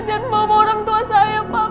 jangan bawa orang tua saya pak